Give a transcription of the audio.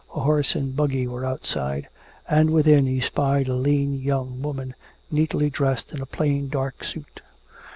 A horse and buggy were outside, and within he spied a lean young woman neatly dressed in a plain dark suit.